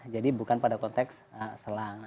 jadi bukan pada konteks selang